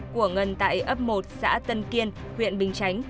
của ngân tại ấp một xã tân kiên huyện bình chánh